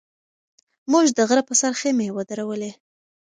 موږ د غره په سر خیمې ودرولې.